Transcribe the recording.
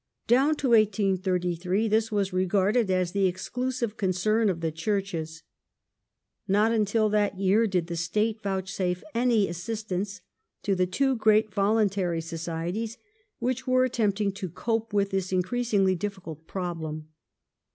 Down to 1833 this was regarded as the exclusive concern of the \ Churches, Not until that year did the State vouchsafe any assis tance to the two great voluntary societies which were attempting to cope with this increasingly difficult problem.